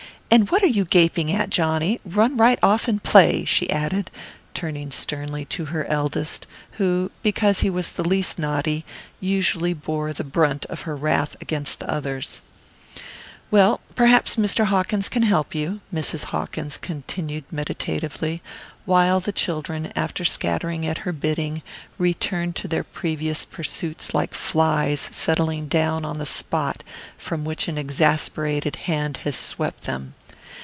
And what are you gaping at, Johnny? Run right off and play," she added, turning sternly to her eldest, who, because he was the least naughty, usually bore the brunt of her wrath against the others. "Well, perhaps Mr. Hawkins can help you," Mrs. Hawkins continued meditatively, while the children, after scattering at her bidding, returned to their previous pursuits like flies settling down on the spot from which an exasperated hand has swept them.